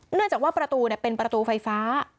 เนื่องจากว่าประตูเป็นประตูไฟฟ้า